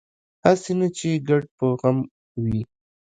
هسې نه چې ګډ په غم وي